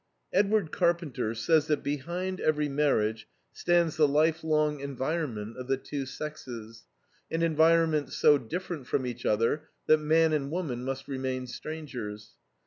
Edward Carpenter says that behind every marriage stands the life long environment of the two sexes; an environment so different from each other that man and woman must remain strangers.